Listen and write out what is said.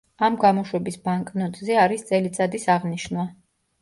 ამ გამოშვების ბანკნოტზე არის წელიწადის აღნიშვნა.